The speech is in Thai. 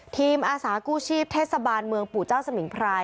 อาสากู้ชีพเทศบาลเมืองปู่เจ้าสมิงพราย